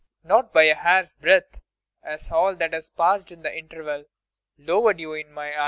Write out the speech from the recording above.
Not by a hairsbreadth has all that has passed in the interval lowered you in my eyes.